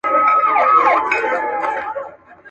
پر خپله مېنه د بلا لښکري.